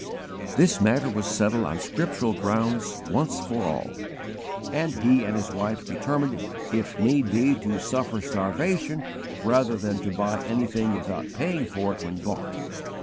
This matter was settled on scriptural grounds once for all (Romans xiii. 8), and he and his wife determined if need be to suffer starvation rather than to buy anything without paying for it when bought.